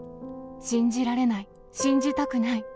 信じられない、信じたくない。